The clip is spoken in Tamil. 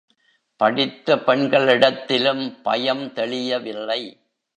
படித்த பெண்களிடத்திலும் பயம் தெளியவில்லை.